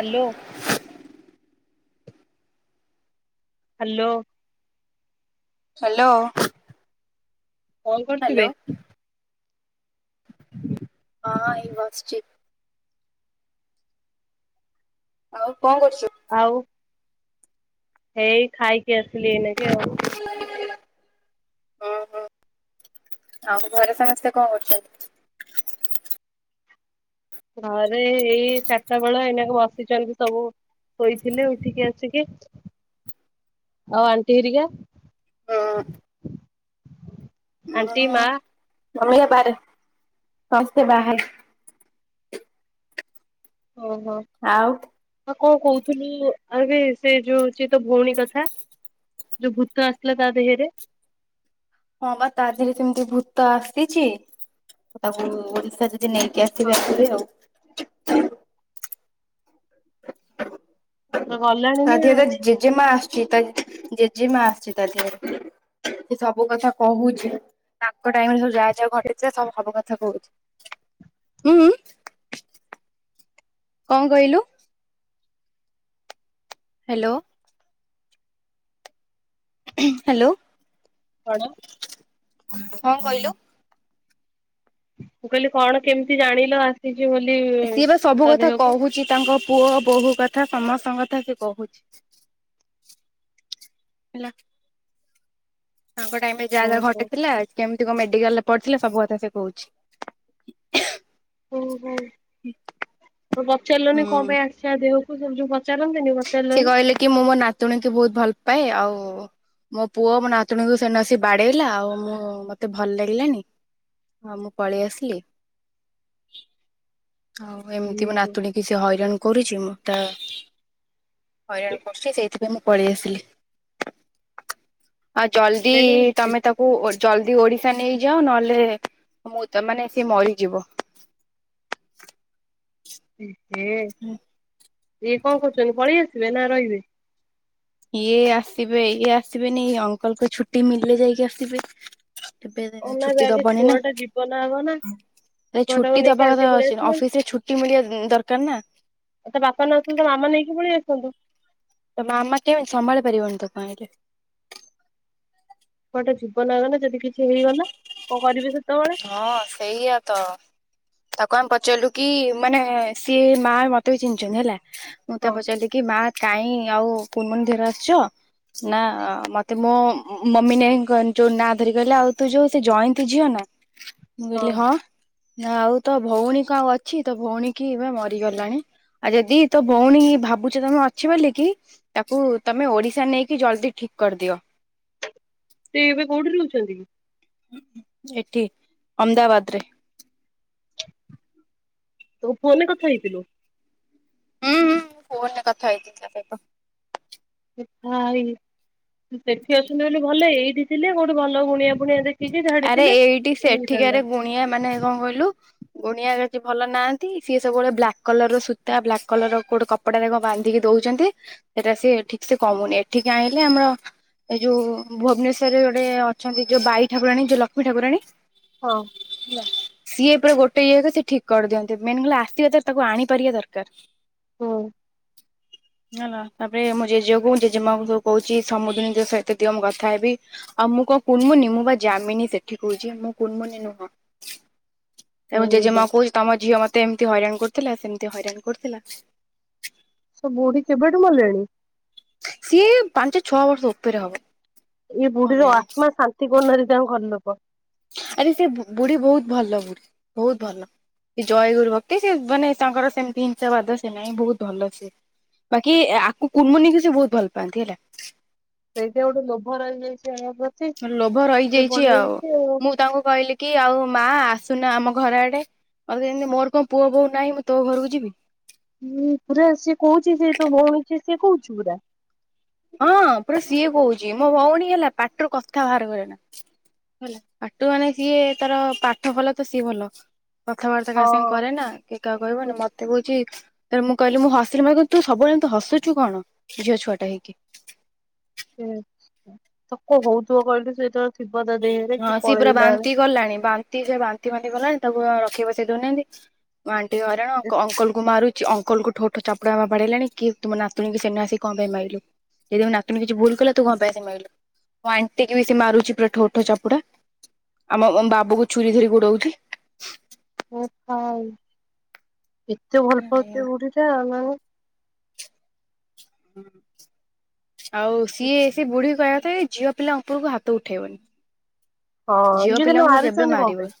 Hello. Hello. Hello. କଣ କରୁଛୁ ବେ? ହଁ ଏଇ ବାସ୍ଚି। ଆଉ କଣ କରୁଛୁ? ଆଉ ହେଇ ଖାଇକି ଆସିଲି ଏଇନା କେ ଆଉ ହୁଁ ହୁଁ ଆଉ ଘରେ ସମସ୍ତେ କଣ କରୁଛନ୍ତି? ଘରେ ଏଇ ଚାରିଟା ବେଳ ଏଇନାକୁ ବସିଛନ୍ତି ସବୁ। ଶୋଇଥିଲେ ଉଠିକି ଆସିକି ଆଉ ଆଣ୍ଟି ହେରିକା? ହଁ। ଆଣ୍ଟି, ମା ମମି ହେରିକା ବାହାରେ ସମସ୍ତେ ବାହାରେ। ଓହୋ। ଆଉ? ଆଉ କଣ କହୁଥିଲୁ ଆବେ ସେ ଯୋଉଛି ତ ଭଉଣୀ କଥା। ଯୋଉ ଭୂତ ଆସିଲା ତା ଦେହରେ। ହଁ ପା ତା ଦେହରେ ସେମତି ଭୂତ ଆସିଛି ତାକୁ ଓଡିଶା ଯା ନେଇକି ହଁ ଆସିବି ଆଖରେ ଆଉ। ପୁରା ଗଲାଣି ତା ନା ଦେହରେ ଅଛି? ଜେଜେମା ଆସୁଛି ତା ଜେଜେମା ଆସୁଛି ତା ଦେହରେ। ସେ ସବୁ କଥା କହୁଛି ତାଙ୍କ ଟାଇମ ରେ ସବୁ ଯାହା ଯାହା ଘଟିଥିଲା ସବୁ ସବୁ କଥା କହୁଛି। ଉଁ ଉଁ। କଣ କହିଲୁ? ହାଲୋ। ହାଲୋ। କଣ? କଣ କହିଲୁ? ମୁଁ କହିଲି କଣ କେମିତି ଜାଣିଲ ଆସିି ସିଏ ବା ସବୁ କଥା କହୁଛି ତାଙ୍କ ପୁଅ ବୋହୂ କଥା। ସମସ୍ତଙ୍କ କଥା ସେ କହୁଛି ହେଲା। ତାଙ୍କ ଟାଇମ ରେ ଯା ଯା ଓହୋ ଘଟିଥିଲା କେମିତି କତ ମେଡିକାଲ ପଡିଥିଲେ ସବୁ କଥା ସେ କହୁଛି। ଓ ହୋ ପଚାରିଲନି କଣ ପାଇଁ ଆସିଚି ଆ ଦେହକୁ ସବୁ ଯଉ ସେ କହିଲେ କି ମୁଁ ମୋ ନାତୁଣୀଙ୍କୁ ବହୁତ ଭଲ ପାଏ ଆଉ ମୋ ପୁଅ ମୋ ନାତୁଣୀକୁ ସେଦିନ ଆସିକି ବାଡେଇଲା ଆଉ ମୁଁ ମତେ ଭଲ ଲାଗିଲାନି ହଁ ମୁଁ ପଳେଇ ଆସିଲି। [inaudible] ହଉ ଏମିତି ମୁଁ ଇଲୋ ନାତୁଣୀ କି ସେ ହଇରାଣ କରୁଛି ମୁଁ ତା ହଇରାଣ କରୁଛି ସେଇଥିପାଇଁ ମୁଁ ପଳେଇ ଆସିଲି। ଆଉ ଜଲଦି ଦେଖୁନୁ ତମେ ତାକୁ ଜଲଦି ଓଡିଶା ନେଇଯାଅ ନହେଲେ ମୁଁ ତମାନେ ସିଏ ମରିଯିବ। [inaudible] ଏ ହେ ଇଏ କଣ କରୁଛନ୍ତି ପଳେଇ ଆସିବେ ନା ରହିବେ। ଇଏ ଆସିବେ ଇଏ ଆସିବେନି ଅଙ୍କଲ କ ଛୁଟି ମିଳିଲେ ଯାଇକି ଆସିବେ। ବେ ଅନାବେ ଛୁଟି ଆଗେ ଦବନି ଛୁଆ ନା। ଟା ଜୀବନ ଆଗ ନା ଛୁଆଟାକୁ ଛୁଟି ନେଇକି ଦବା ଆଣ୍ଟି କଥା ପଳେଇ ଅଛି ଆସିଲେ। ଅଫିସ ରେ ଛୁଟି ମିଳିବା ଦରକାର ନା। ଆଉ ତା ବାପା ନ ଆସନ୍ତୁ ତା ମାମା ନେଇକି ପଳେଇ ଆସନ୍ତେ। ତ ମାମା କେବେ ସମ୍ଭାଳି ପାରିବନି ତାକୁ ଆଣିଲେ କୁଆଡ଼େ ଜୀବନ ଆଗଲା ଯଦି କିଛି ହେଇଗଲା କଣ କରିବେ ସେ ହଁ ସେଇଆ ତ କଣ ପଚାରିଲୁ କି ମାନେ ସିଏ ମା ମତେ ବି ଚିହ୍ନଛନ୍ତି ହେଲା ମୁଁ ତା ହଁ ପଚାରିଲି କି ମା କାଇଁ ଆଉ କୁନମୁନ ଦିହରେ ଆସିଛ। ନା ମତେ ମୋ ମମି ନ ଯୋଉ ନା ଧରି କହିଲେ ଆଉ ତୁ ଯୋଉ ସେ ଜୟନ୍ତୀ ଝିଅ ନା। ମୁଁ କହିଲି ହଁ। ନା ଆଉ ତୋ ଭଉଣୀ କ ଆଉ ଅଛି ତୋ ଭଉଣୀ କି ଏବେ ମରିଗଲାଣି ଆଉ ଯଦି ତୋ ଭଉଣୀ ଭାବୁଛ ତମେ ଅଛି ବୋଲିକି ତାକୁ ତମେ ଓଡିଶା ନେଇକି ଜଲ୍ଦି ଠିକ କରିଦିଅ। ସେ ଏବେ କୋଉଠି ରହୁଛନ୍ତି କି? ଏଠି ଅମଦାବାଦରେ। ତୋ ଫୋନରେ କଥା ହେଇଥିଲୁ। ହଁ ହଁ ମୁଁ ଫୋନରେ କଥା ହେଇଥିଲି ତ ସହିତ। ଭାଇ ସେଠି ଅଛନ୍ତି ବୋଲି ଭଲ ଏଇଠି ଥିଲେ କୋଉଠୁ ଭଲ ଗୁଣିଆ ଫୁଣିଆ ଦେଖ ଆରେ ଏଇଠି ସେଠିକାରେ ଗୁଣିଆ ମାନେ କଣ କହିଲୁ ଗୁଣିଆ ସିଏ ଭଲ ନାହାନ୍ତି ସିଏ ସବୁବେଳେ ବ୍ଲାକ୍ କଲର ର ସୂତା ବ୍ଲାକ୍ କଲର ର ଗୋଉଟେ କପଡାଟ ବାନ୍ଧିକି ଦଉଛନ୍ତି। ସେଟା ସି ଠିକ ସେ କମୁନି ଏଠିକି ଆଣିଲେ ଆମର ଏଇ ଯୋଉ ଭୁବନେଶ୍ୱରରେ ଗୋଟେ ଅଛନ୍ତି ଯୋଉ ବାଇ ଠାକୁରାଣୀ ଯୋଉ ଲକ୍ଷ୍ମୀ ଠାକୁରାଣୀ ହଁ। ହେଲା ସିଏ ପୁରା ଗୋଟେ ଇଏ କ ସିଏ ଠିକ୍ କରିଦିଅନ୍ତି ମେନ୍ କଲେ ଆସିବା ତାର ତାକୁ ଆଣିପାରିବା ଦରକାର। ହୁଁ ହେଲା ତାପରେ ମୋ ଜେଜେକୁ ଜେଜେମାଙ୍କୁ ସବୁ କହୁଛି ସମୁଦୁଣି ସହିତ ଟିକେ ମୁଁ କଥା ହେବି ଆଉ ମୁଁ କଣ କୁନମୁନି ମୁଁ ବା ଜାମିନି ସେଠି କହୁଛି ମୁଁ କୁନମୁନି ନୁହଁ। ମୋ ଜେଜେ ହେଇଲୋ। ମା କୁ କହୁଛି ତମ ଝିଅ ମତେ ଏମତି ହଇରାଣ କରୁଥିଲା ସେମିତି ହଇରାଣ କରୁଥିଲା ସେ ବୁଢୀ କେବେଠୁ ମଲେଣି? ସିଏ ପାଞ୍ଚ ଛଅ ବର୍ଷ ଉପରେ ହବ। ଏଇ ବୁଢୀର ଭଲେଣି ଆତ୍ମା ଶାନ୍ତି [unintelligible] ଗନରେ ଯା ଘର ଲୋକ ଆରେ ସେ ବୁଢୀ ବହୁତ ଭଲ ବୁଢୀ ବହୁତ ଭଲ ସେ ଜୟଗୁରୁ ଭକ୍ତି ସେ ମାନେ ତାଙ୍କର ସେମିତି ହିଂସାବାଦ ସେ ନାହିଁ ବହୁତ ଭଲ ସେ। ବାକି ଆକୁ କୁନମୁନି ସେ ବହୁତ ଭଲ ପାଆନ୍ତି ହେଲା। ସେଠି ଗୋଟେ ଲୋଭ ରହିଯାଇଛି। ପ୍ରତି ଲୋଭ ସେ ରହିଯାଇଛି ଆଉ ପଳେଇଆଇଛି ମୁଁ ତାଙ୍କୁ କହିଲି କି ଆଉ ମା ଆସ ସୁନା ଆମ ଘର ଆଡେ ମତେମିତି ମୋର କଣ ପୁଅ ବୋଉ ନାହିଁ ମୁଁ ତୋ ଘରକୁ ଯିବି। ହଁ ପୁରା ସେ କହୁଛି ସେ ତ ଭଉଣୀ ସେ କହୁଛୁ ପୁରା। ହଁ ପୁରା ସିଏ କହୁଛି ମୋ ଭଉଣୀ ହେଲା ପାଟିରୁ କଥା ବାହାର କରେ ନା। ହେ ପାଠୁ ମାନେ ସିଏ ତାର ପାଠ ଭଲ ତ ସିଏ ଭଲ। କଥାବାର୍ତ୍ତା କାହା ସାଙ୍ଗେ କରେ ହଁ। ନା କି କାହା କହିବନି ମତେ କହୁଛି। ତାେ ମୁଁ କହିଲି ମୁଁ ହସିଲି ମ କିନ୍ତୁ ସବୁବେଳେ ହସୁ କଣ ଝିଅଛୁଆା ହେକି ତ କ ହଉଥିବ କହିଲୁ ସେଇତବେଳେ ହଁ ସିଏ ପୁରା ବାନ୍ତି କଲାଣି ବାନ୍ତି ସେ ବାନ୍ତି ବାନ୍ତି ଗଲାଣି ତାକୁ ରଖେଇ ବସେଇ ଦଉ ନାହାନ୍ତି ଆଣ୍ଟି ହଇରାଣ ଅଙ୍କଲ କୁ ମାରୁଛି। କି ଅଙ୍କଲକୁୁ ଠୋଠ ଚାପୁା ବାଡେଇଲାଣି କି ତମ ନାତୁଣୀ କି ସେନେ ଆସି କଣ ପାଇଁ ପାଇଲୁ। ଯଦି ମୋ ନାତୁଣୀ କିଛି ଭୁଲ କଲା ତୁ କଣ ପାଇଁ ତାକୁ ମାରିଲୁ ମୁଁ ଆଣ୍ଟିକି ବି ସେ ମାରୁଛି ପୁରା ଠୋ ଠୋ। ଚାପୁଡା, ଆମ ବାବୁକୁ ଛୁରୀ ଧରି ଗୋଡଉଛି। ହ କେତେ ଭଲ ପାଉଥିବ ବୁଢୀଟା [unintelligible] ଆଉ ସିଏ ସେ ବୁଢୀ କହିଆ କେବେ ଝିଅ ପିଲା ଉପରୁକୁ ହାତ ଉଠେଇବନି। ହଁ ଝିଅ ଇଏ କିନ୍ତୁ ପିଲାଙ୍କୁ କେବେ ମାରୁଛନ୍ତି କଣ ପାଇଁ ମାରିବନି।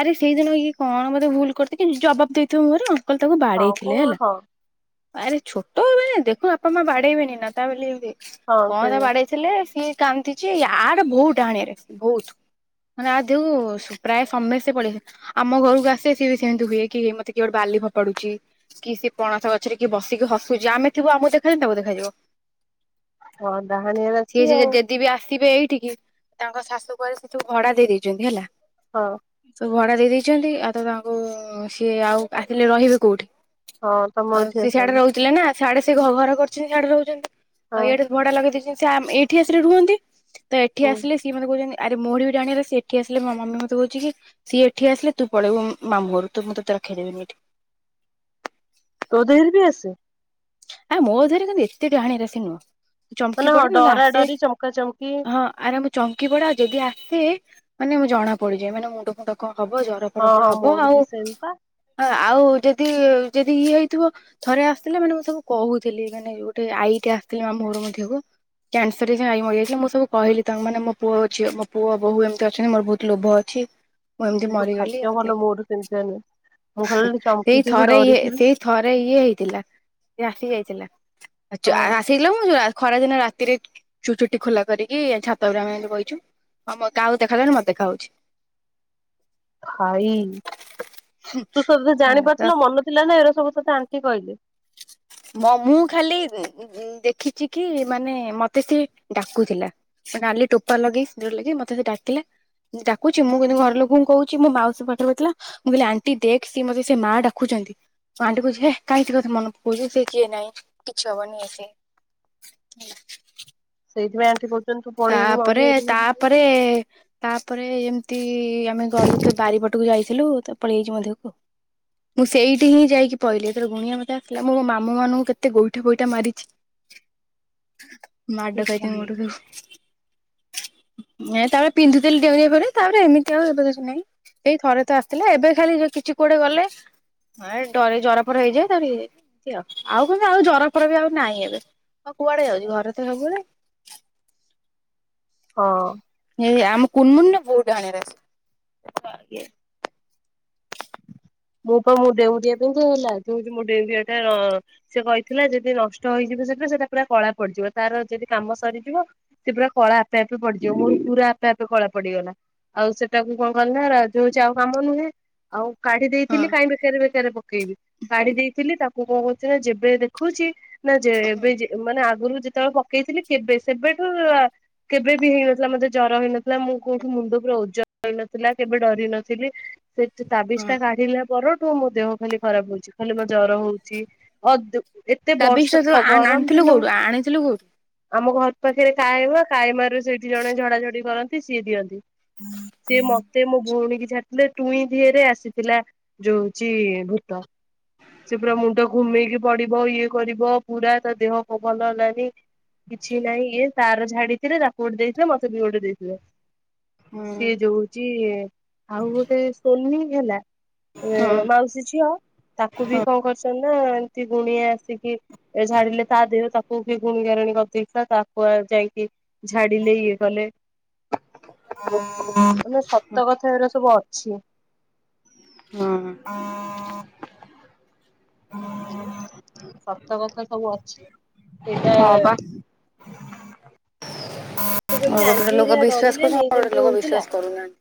ଆରେ ସେଇ ଦିନ ଇଏ କଣ ବୋଧେ ଭୁଲ କରିଛି କି ଜବାବ ଦେଇଥିବ ମୁହଁରେ ଆଉ। କାଳେ ତାକୁ ହଁ ବାଡେଇଥିଲେ କଣ ହେଲା। ହଁ ଆରେ ଛୋଟ ମାନେ ଦେଖୁନ ବାପା ମା ବାଡେଇବେନି ନା, ତା ବୋଲି ଏମିତି ହଁ କଣ ସେଇଆ। ବାଡେଇଥିଲେ, ସିଏ କାନ୍ଦିଛି ୟାର ବହୁତ [unintelligible] ବହୁତ, ବହୁତ। ମାନେ ଆ ଯୋଗୁ ପ୍ରାୟ ସମସ୍ତେ ପଳେଇଲେ, ଆମ ଘରକୁ ଆସେ ସିଏ ବି ସେମତି ହୁଏ, କି ମତେ କି ଗୋଟେ ବାଲ ବାଲି ଫୋଫାଡୁଛି, କି ସେ ପଣସ ଗଛରେ କିଏ ବସିକି ହସୁଛି, ଆମେ ଥିବୁ ଆମକୁ ଦେଖା ଯିବନି ତାକୁ ଦେଖାଯିବ। ହଁ ଡାହାଣୀ ଅଛି ଆଉ। ଥିବେ ଏଇଠିକି ତାଙ୍କ ଶାଶୁ କୁଆଡେ ସେ ଯୋଗୁ ଭଡା ଦେଇ ଦେଇଛନ୍ତି ହେଲା। ହଁ। ସବୁ ଭଡା ଦେଇ ଦେଇଛନ୍ତି, ଆଉ ତ ତାଙ୍କୁ ସିଏ ଆଉ ଆସିଲେ ରହିବେ କୋଉଠି? ହଁ ତମ ଆଉ ଏଠି ସେ ସିଆଡେ ଆସନ୍ତି ରହୁଥିଲେ ନା। ସାଡେ ସେ ଘର କରିଛନ୍ତି ସିଆଡେ ରହୁଛନ୍ତି, ଆଉ ହଁ ଇଆଡେ ଭଡା ଲଗେଇ ଦେଇଛନ୍ତି, ସିଏ ଆମ ଏଇଠି ଆସିଲେ ରୁହନ୍ତି। ତ ଏଠି ହୁଁ। ଆସିଲ ସିଏ ମତେ କହୁଛନ୍ତି। ଆରେ ମୋର ବି ଜାଣିଆରେ ସେ ଏଠି ଆସିଲେ ମୋ ମମି ମତେ କହୁଛି କି ସିଏ ଏଠି ଆସିଲେ ତୁ ପଳେଇବୁ ମାମୁଁ ଘରକୁ ମୁଁ ତତେ ରଖେଇ ଦେବିନି ଏଠି। ତୋ ଦେହର ବି ଆସେ। ଆ ମୋ ଦେହରେ କିନ୍ତୁ ଏତେ ଡାହାଣୀ ରାଶି ନୁହଁ। ଚମକି ମାନେ ହଁ ପଡେ ନହେଲେ ଡରା ଆସେ, ଡରି ଚମକା ଚମକି ହଁ ଆରାମ ଚମକି ପଡ଼େ, ଆଉ ଯଦି ଆସେ ମାନେ ମୁଁ ଜଣା ପଡିଯାଏ ମାନେ ମୁଣ୍ଡ ମୁଣ୍ଡ କଣ ହବ ଜର ଫର ହଁ ପୁରା ହଁ ହବ ମୋର ଆଉ ବି ହଁ ସେମ୍ ପା। ଆ ଆଉ ଯଦି ଯଦି ଇଏ ହେଇଥିବ ଥରେ ଆସିଥିଲେ ମାନେ ମୁଁ ତାକୁ କହୁଥିଲି ମାନେ ଗୋଟେ ଆଇଟେ ଆସଥିଲେ ଆମ ଘରକୁ ମୋ ଦେହକୁ। କ୍ୟାନସର ହେଇକି ଆଈ ମରି ଯାଇଛି, ମୁଁ ସବୁ କହିଲି ତ ମାନେ ମୋ ପୁଅ, ଝିଅ, ମୋ ପୁଅ ବୋହୁ, ଏମତି ଅଛନ୍ତି। ମୋର ବହୁତ ଲୋଭ ଅଛି। ମୁଁ ଏମିତି କିନ୍ତୁ ମରିଗଲି ଭାଗ୍ୟ ଏମିତି ଭଲ ହେ ମୋର ସେମିତିଆ ନୁହେଁ ମୁଁ ଖାଲି ଏଇ ଚମକିଥିବି ଥରେ ଇଏ ଡରିଥିବି ସେଇ ଥରେ ଇଏ ହେଇଥିଲା। ଆସି ଯାଇଥିଲା ହଁ ଆସିଗଲା ମୁଁ ଖଟ ଖରାଦିନ ରାତିରେ ଚ ଚୁଟି ଖୋଲା କରିକି ଛାତ ଉପରେ ଆମେ ଏମତି ବାଇଛୁ। ହଁ ଆମ କାହାକୁ ଦେଖା ଗଲାନି ମତେ ଦେଖା ଯାଉଛି। [unintelligible] ଭାଇ ତୁ ସବୁ ଜାଣି ହେଲା ତ ପାରୁଥିଲୁ ମନ ଥିଲା ନା ଏରା ସବୁ ତତେ ଆଣ୍ଟି କହିଲେ। [inaudible] ମ ମୁଁ ଖାଲି ଦେଖିଚିକି ମାନେ ମତେ ସିଏ ଡାକୁଥିଲା। ନାଲି ଟୋପା ଲଗେଇ, ସିନ୍ଦୂର ଲଗେଇ ମତେ ସିଏ ଡାକିଲା। ଡାକୁଛି ମୁଁ କିନ୍ତୁ ଘର ଲୋକଙ୍କୁ କହୁଛି ମୋ ମାଉସି ସେପଟରେ ବସିଥିଲା, ମୁଁ କହିଲି ଆଣ୍ଟି ଦେଖ ସେ ମତେ ସେ ମା ଡାକୁଛ ମୋ ଆଣ୍ଟି କହୁଛି ହେ କାଇଁ ଚିଲଉ ମନକୁ ବୁଝୁଉଛି କିଏ ନାଇଁ କିଛି ହବନି ଇଏ ସିଏ। ସେଇଥି ପାଇଁ ଆଣ୍ଟି କହୁ ତାପରେ, ତାପରେ ତାପ ପରେ ଏମିତି ଆମେ ଗଲୁ ତ ବାରିପଟକୁ ଯାଇଥିଲୁ, ତ ପଲେଇ ଆଇଚି ମୋ ଦେହକୁ ଆଉ। ମୁଁ ସେଇଠି ହିଁ ଯାଇକି ପଇଲି, ଏଥର ଗୁଣିଆ ମତେ ଆସିଲା ମୁଁ ମୋ ମାମୁଁ ମାନଙ୍କୁ କେତେ ଗୋଇଠା ବୋଇଠା ମାରିଛି। [unintelligible] ମାଡ ଖାଇଛନ୍ତି ବୋଲି ମୋ ଠାରୁ। [unintelligible] ମୁଁ ଏଇଆ ତାପରେ ପିନ୍ଧୁଥିଲି ଡେଉଁରିଆ ଫେଉଁରିଆ ତାପରେ ଏମିତି ଆଉ ଏବେ କିଛି ନାଇଁ ସେଇ ଥରେ ତ ଆସିଥିଲା, ଏବେ ଖାଲି ଯୋଉ କିଛି କୁଆଡେ ଗଲେ ଏଁ ଡରେ ଜରଫର ହେଇଯାଏ ତାପରେ ଇଏ ଏମତି ଆଉ ଆଉ କ ଆଉ ଜରାଫର ବି ଆଉ ନାଇଁ ଏବେ। ହଁ କୁଆଡେ ଯାଉଛି ଘରେ ତ ସବୁବେଳେ। ହଁ। ଇଏ ଆମ କୁନମୁନ ବୋହୁତ ଡ଼ାହାଣିଆ ରାଶି ଇଏ ମୁଁ ପା ମୁଁ ଡେଉଁରିଆ ପିନ୍ଧିଚି ହେଲା ଯୋ-ଯୋଉ ମୋ ଡେଉଁରିଆଟା ସିଏ କହିଥିଲା ଯଦି ନଷ୍ଟ ହେଇଯି ସେଟା ସେଟା ପୁରା କଳା ପଡିଯିବ ତାର ଯଦି କାମ ସରିଯିବ ସେ ପୁରା କଳା ଆପେ ଆପେ ପଡିଯିବ। ମୁଁ ପୁରା ଆପେ ଆପେ କଳା ପଡିଗଲା। ଆଉ ସେଟାକୁ କଣ କଲି ନା ରା ଯୋଉ କାମ ନୁହେଁ ଆଉ କାଢିଦେ ହଁ ଥିଲି କାଇଁ ବେକାରେ ବେକରେ ପକେଇବି କାଢି ଦେଇଥିଲି ତାକୁ କଣ କରୁଥିଲ ଯେବେ ଦେଖୁଚି ନା ଯେ ହୁଁ ବେ ଯେ ମାନେ ଆଗରୁ ଯେତେବେଳେ ପକେଇଥିଲି କେବେ ସେବେଠୁ କେବେ ବି ହେଇନଥିଲା ମତେ ଜର ହେଇନଥିଲା ମୁଁ କୋଉଠି ମୁଣ୍ଡ ପୁରା ଓଜ ହେଇନଥିଲା କେବେ ଡରି ନଥିଲି। ସେ ତାବିଜ ହଁ ଟା କାଢିଲା ପରଠୁ ମୋ ଦେହ ଖାଲି ଖରାପ ହୋଉଚି ଖାଲି ମୋ ଜର ହୋଉଚି ଅ ଦୁ ଏତେ ତାବିଜ ଟା ବର୍ଷ ତୁ ଖ ଗରମ ଆଣିଥିଲୁ ଦିନ କୋଉଠୁ ଆଣିଥିଲୁ କୋଉଠୁ? ଆମ ଘର ପାଖରେ କାଏମା କାଏମାରୁ ସେଇଠି ଜଣେ ଝଡାଝଡି କରନ୍ତି ସିଏ ଦିଅନ୍ତି। ସିଏ ମତେ ମୋ ଭଉଣୀ କି ଛାଡ଼ିଥିଲେ ଟୁଇଁ ଦିଅରେ ଆସିଥିଲା। ଯୋଉ ହୋଉଚି ଭୂତ ସେ ପୁରା ମୁଣ୍ଡ ଘୁମେଇକି ପଡିବ ଇଏ କରିବ ପୁରା ତା ଦେହ ଭଲ ହେଲାନି କିଛି ନାହିଁ ଇଏ ତାର ଝାଡି ଥିଲେ ତାକୁ ଗୋଟେ ଦେଇଦିଅ ମତେ ବି ଗୋଟେ ଦେଇଥିଲେ। ହୁଁ ସିଏ ଯୋଉ ହୋଉଚି ଆଉ ଗୋଟେ ସୋଲିନି ହେଲା ଏଁ ହଁ ମାଉସୀ ଝିଅ ତାକୁ ବି କଣ କରିଚନ୍ ନା ଏମତି ଗୁଣିଆ ଆସିକି ଝାଡିଲେ ତା ଦେହ ତାକୁ ବି ଗୁଣିଆ ରାଣୀ କରିଦେଇଥିଲା ତାକୁ ଆ ଯାଇକି ଝାଡିଲେ ଇଏ କଲେ ମାନେ ସତ କଥା ଏରା ସବୁ ଅ ଛି। ହୁଁ। ସତ କଥା ସବୁ ଅଛି ସେଇଟା ହଁ ବା ତୁ କେମତି ଗୋଟେ ଗୋଟେ ଲୋକ ଆଣ୍ଟିହେରିଆ ବିଶ୍ୱାସ ଡରିଲେନି କରୁଛନ୍ତି ଇଏ ଗୋଟେ ଗୋଟେ ଯେମିତି ଲୋକ ହୋଉଥିଲା? ବିଶ୍ୱାସ କରୁନାହାନ୍ତି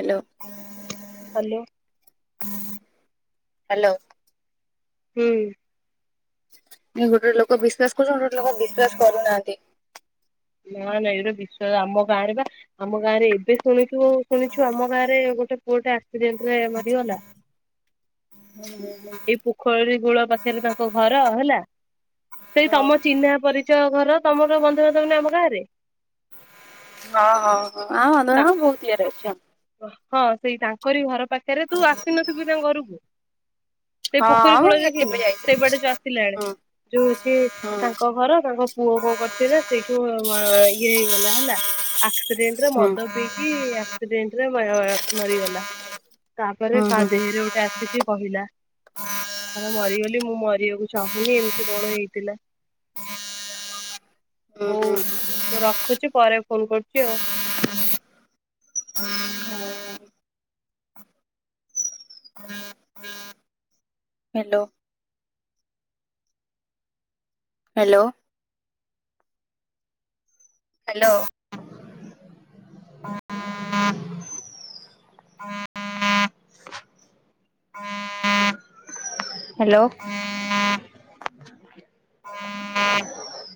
ହାଲୋ। ହାଲୋ। ହାଲୋ। ହୁଁ। ଗୋଟେ ଗୋଟେ ଲୋକ ବିଶ୍ୱାସ କରୁଚନ୍ତି ଗୋଟ ଗୋଟେ ଲୋକ ବିଶ୍ୱାସ କରୁନାହାନ୍ତି। ନା ନା ଏଇଟା ବିଶ୍ଵାସ ଆମ ଗାଁରେ ବା ଆମ ଗାଁ ରେ ଏବେ ଶୁଣିଚୁ ଶୁଣିଛୁ ଆମ ଗାଁରେ ଗୋଟେ ପୁଅଟେ ଆକ୍ସିଡେଣ୍ଟ ରେ ମରିଗଲା। ହୁଁ ହୁଁ ଏଇ ପୋଖରୀ ଗୁଳ ପାଖରେ ତାଙ୍କ ଘର ହେଲା। ସେଇ ହଁ। ତମ ଚିହ୍ନା ପରିଚୟ ଘର ତମର ବନ୍ଧୁବାନ୍ଧବ ନା ଆମ ଗାଁରେ? ଆମ ବନ୍ଧୁବାନ୍ଧବ ବହୁତ ଇଏରେ ଅଛୁ ଆଁ। ହଁ ସେଇ ତାଙ୍କରି ଘର ପାଖରେ ତୁ ଆସିନଥିବୁ କି ତାଙ୍କ ଘରୁକୁ? ସେଇ ହଁ ପୋଖରୀ ହଁ ମୁଁ କୂଳରେ ଏ ଦେଖିନୁ କେବେ ସେ ଯାଇଥିଲି। ବାଟେ ଯୋଉ ଆସିଲାଳେ ହୁଁ ଯୋଉଚି ହୁଁ ତାଙ୍କ ଘର ତାଙ୍କ ପୁଅ କଁ କରୁଚି ନା ସେଇଠୁ ଆ ଇଏ ହେଇଗଲା ହେଲା। ଆକ୍ସିଡେଣ୍ଟ ରେ ହୁଁ ମଦ ପିଇକି ଆକ୍ସିଡେଣ୍ଟ ରେ ମା ଆ ମରିଗଲା। ତା ପରେ ହୁଁ କା ହୁଁ ଦେହରେ ଗୋଟେ ଆସିକି କହିଲା, କହିଲା ମରିଗଲ ମୁଁ ମରିବାକୁ ଚାହୁଁନି ଏମିତି କଣ ହେଇଥିଲା। ଉଁ ହୁଁ। ରଖୁଚି ପରେ ଫୋନ କରୁଚି ଆଉ। ହ୍ୟାଲୋ। ହ୍ୟାଲୋ। ହ୍ୟାଲୋ। ହ୍ୟାଲୋ। ଉଁ।